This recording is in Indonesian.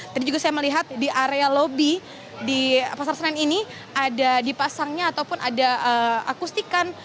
tadi juga saya melihat di area lobi di pasar senen ini ada dipasangnya ataupun ada akustikan